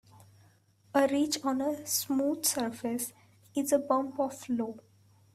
A ridge on a smooth surface is a bump or flaw.